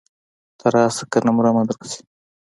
ته راشه کنه مرمه درپسې.